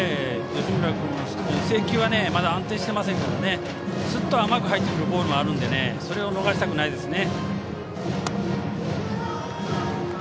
吉村君の制球がまだ安定していませんからすっと甘く入ってくるボールもあるのでそれを逃したくないですね。